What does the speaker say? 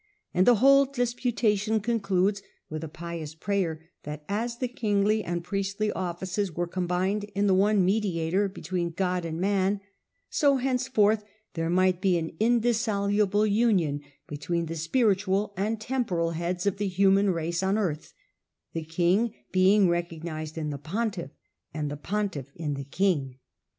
And the whole disputation concludes with a pious prayer that, as the kingly and priestly offices were combined in the one Mediator between God and man, so henceforth there might be an indissoluble union between the spiritual and temporal heads of the human race on earth, the king being recognised in the pontiff, and the pontiff in the king.